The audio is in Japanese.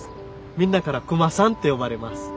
みんなからクマさんって呼ばれます。